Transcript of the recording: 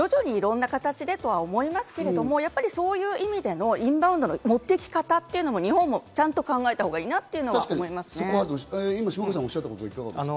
徐々にいろんな形でとは思いますが、そういう意味でのインバウンドの持って行き方も日本もちゃんと考えたほうがいいなと思います。